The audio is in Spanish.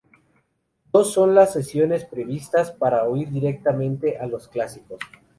Dos son las sesiones previstas para oír directamente a los clásicos.